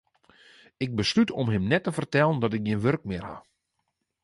Ik beslút om him net te fertellen dat ik gjin wurk mear ha.